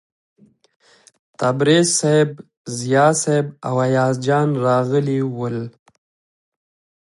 تبریز صیب، ضیا صیب او ایاز جان راغلي ول.